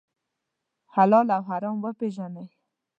حلال او حرام وپېژنئ.